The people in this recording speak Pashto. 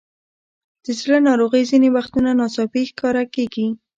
د زړه ناروغۍ ځینې وختونه ناڅاپي ښکاره کېږي.